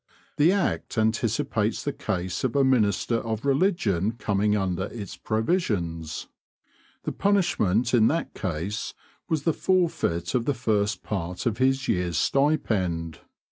The Act anticipates the case of a minister of religion coming under its provisions. The punishment in that case was the forfeit of the first part of his year's stipend.